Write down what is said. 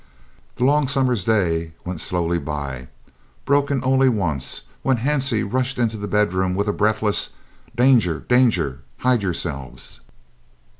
The long summer's day went slowly by, broken only once when Hansie rushed into the bedroom with a breathless, "Danger, danger hide yourselves!"